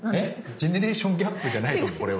ジェネレーションギャップじゃないと思うこれは。